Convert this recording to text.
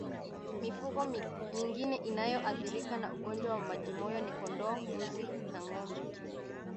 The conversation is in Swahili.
Mifugo mingine inayoathirika na ugonjwa wa majimoyo ni kondoo mbuzi na ngombe